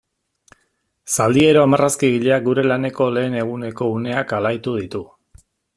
Zaldieroa marrazkigileak gure laneko lehen eguneko uneak alaitu ditu.